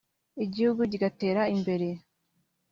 igihugu kigatera imbere